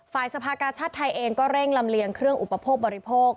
สภากาชาติไทยเองก็เร่งลำเลียงเครื่องอุปโภคบริโภค